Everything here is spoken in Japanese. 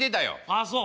ああそう。